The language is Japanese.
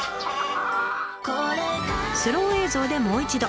スロー映像でもう一度。